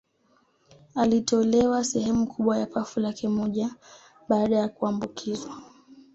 Alitolewa sehemu kubwa ya pafu lake moja baada ya kuambukizwa